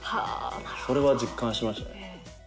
それは実感しましたね。